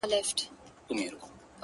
تاريخي خواړه هيڅکله ضایع نه کېدل.